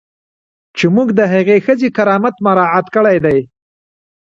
چې موږ د هغې ښځې کرامت مراعات کړی دی.